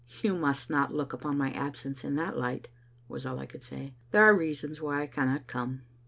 "You must not look upon my absence in that light," was all I could say. " There are reasons why I cannot come."